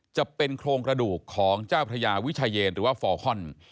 จะเป็นโครงกระดูกของเจ้าพระยาวิชายเยนหรือว่าฟอร์คอน